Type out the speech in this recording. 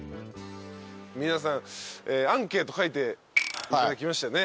皆さんアンケート書いていただきましたね？